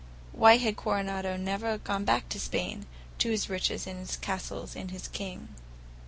Why had Coronado never gone back to Spain, to his riches and his castles and his king?